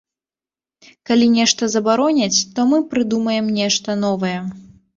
Калі нешта забароняць, то мы прыдумаем нешта новае.